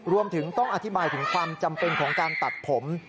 รวมถึงต้องอธิบายถึงความจำเป็นของการตัดผม